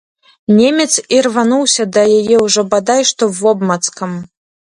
Немец ірвануўся да яе ўжо бадай што вобмацкам.